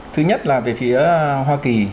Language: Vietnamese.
thứ nhất là về phía hoa kỳ